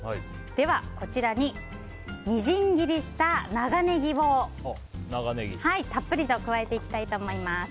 ではこちらにみじん切りした長ネギをたっぷりと加えていきたいと思います。